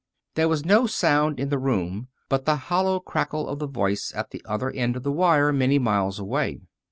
There was no sound in the room but the hollow cackle of the voice at the other end of the wire, many miles away.